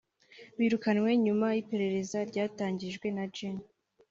birukanywe nyuma y’iperereza ryatangijwe na Gen